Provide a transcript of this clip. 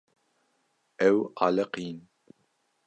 Ew aliqîn.